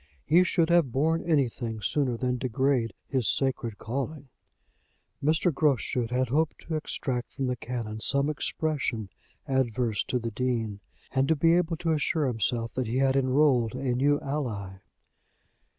"He should have borne anything sooner than degrade his sacred calling." Mr. Groschut had hoped to extract from the Canon some expression adverse to the Dean, and to be able to assure himself that he had enrolled a new ally.